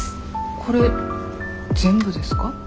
これ全部ですか？